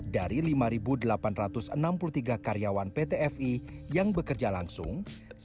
dari lima delapan ratus enam puluh tiga karyawan pt fi yang bekerja langsung